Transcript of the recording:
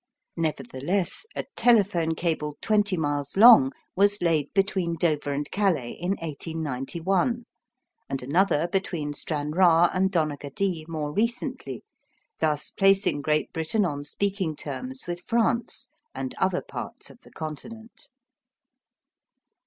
Nevertheless, a telephone cable 20 miles long was laid between Dover and Calais in 1891, and another between Stranraer and Donaghadee more recently, thus placing Great Britain on speaking terms with France and other parts of the Continent.